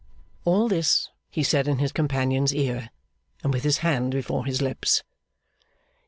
All this he said in his companion's ear, and with his hand before his lips.